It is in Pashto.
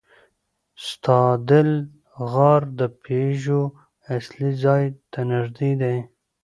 ستادل غار د پيژو اصلي ځای ته نږدې دی.